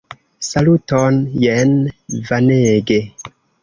Saluton! Jen Vanege!